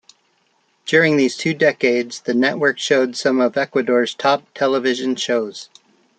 During these two decades the network showed some of Ecuador's top television shows.